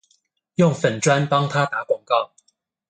用粉專幫他打廣告